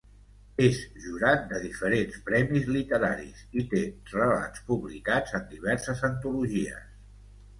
És jurat de diferents premis literaris i té relats publicats en diverses antologies.